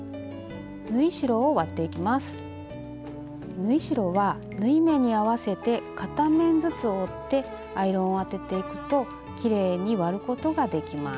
縫い代は縫い目に合わせて片面ずつ折ってアイロンを当てていくときれいに割ることができます。